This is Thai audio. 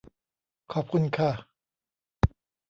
ขอบคุณค่ะ